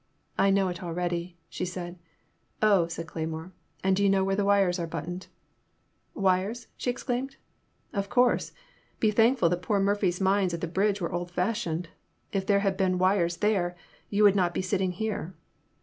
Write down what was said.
I know it already," she said. Oh," said Cleymore, and do you know where the wires are buttoned ?"*' Wires ?" she exclaimed. Of course. Be thankful that poor Murphy's mines at the bridge were old fashioned. If there had been wires there, you would not be sitting here."